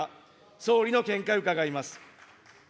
総理の見解を伺います。